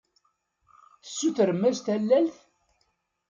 Tessutrem-as tallalt?